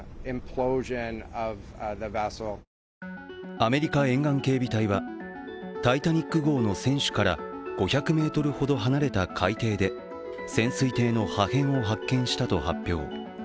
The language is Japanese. アメリカ沿岸警備隊は、「タイタニック」号の船首から５００ｍほど離れた海底で潜水艇の破片を発見したと発表。